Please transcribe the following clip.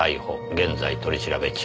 現在取り調べ中」